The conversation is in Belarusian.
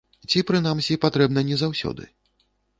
Ці, прынамсі, патрэбна не заўсёды?